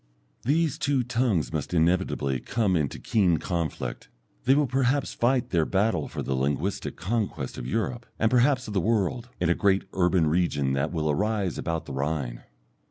These two tongues must inevitably come into keen conflict; they will perhaps fight their battle for the linguistic conquest of Europe, and perhaps of the world, in a great urban region that will arise about the Rhine.